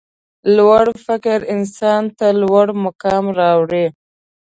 لوړ فکر انسان ته لوړ مقام راوړي.